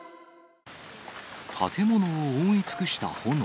建物を覆い尽くした炎。